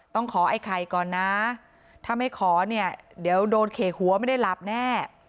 ต้องขอไอ้ไข่ก่อนนะถ้าไม่ขอเนี่ยเดี๋ยวโดนเขกหัวไม่ได้หลับแน่